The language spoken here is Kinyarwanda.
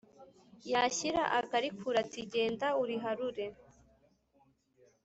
yashyira akarikura ati genda uriharure